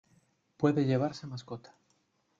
Puede llevarse mascota.